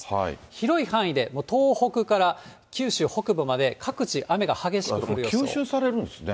広い範囲で、東北から九州北部まで各地、吸収されるんですね。